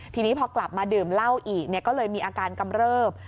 ทีนี้พอกลับมาดื่มเหล้าอีกก็เลยมีอาการกำเริบ